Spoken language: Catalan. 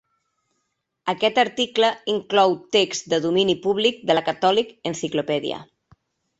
Aquest article inclou text de domini públic de la "Catholic Encyclopedia".